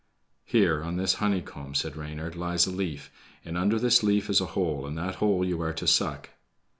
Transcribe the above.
"Here, on this honeycomb," said Reynard, "lies a leaf, and under this leaf is a hole, and that hole you are to suck."